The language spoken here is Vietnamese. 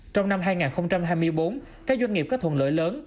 trong năm hai nghìn hai mươi bốn các doanh nghiệp có thuận lợi lớn